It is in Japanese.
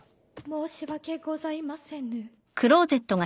・申し訳ございませぬ。